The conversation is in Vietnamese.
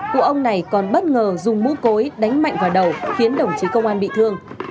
cụ ông này còn bất ngờ dùng mũ cối đánh mạnh vào đầu khiến đồng chí công an bị thương